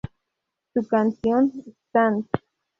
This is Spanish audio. Su canción "Stand".